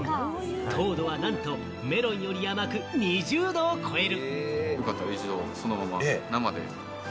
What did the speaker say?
糖度はなんと、メロンより甘く２０度を超える。